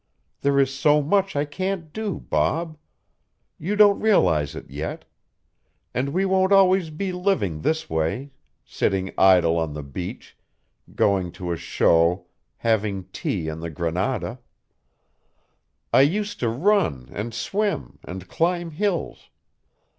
There is so much I can't do, Bob. You don't realize it yet. And we won't always be living this way, sitting idle on the beach, going to a show, having tea in the Granada. I used to run and swim and climb hills.